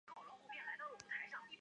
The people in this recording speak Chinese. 此举在美少女游戏界属首例。